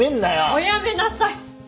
おやめなさい！